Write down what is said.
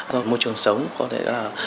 do môi trường sống có thể là